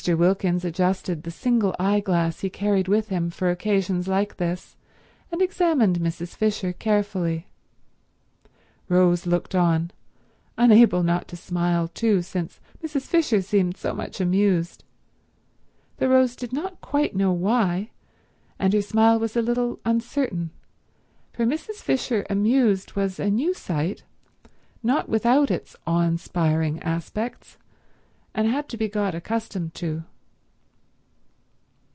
Wilkins adjusted the single eyeglass he carried with him for occasions like this, and examined Mrs. Fisher carefully. Rose looked on, unable not to smile too since Mrs. Fisher seemed so much amused, though Rose did not quite know why, and her smile was a little uncertain, for Mrs. Fisher amused was a new sight, not without its awe inspiring aspects, and had to be got accustomed to.